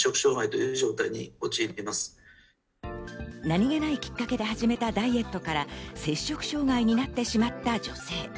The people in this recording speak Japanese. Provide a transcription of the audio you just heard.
何気ないきっかけで始めたダイエットから摂食障害になってしまった女性。